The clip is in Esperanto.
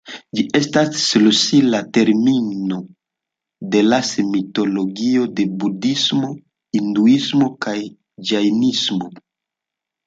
Ĝi estas ŝlosila termino de las mitologio de budhismo, hinduismo kaj ĝajnismo.